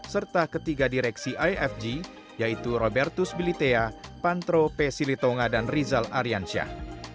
serta ketiga direksi ifg yaitu robertus bilitea pantro p silitonga dan rizal aryansyah